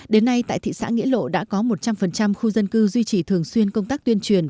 đến nay tại thị xã nghĩa lộ đã có một trăm linh khu dân cư duy trì thường xuyên công tác tuyên truyền